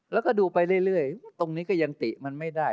แล้วก็ดูไปเรื่อยตรงนี้ก็ยังติมันไม่ได้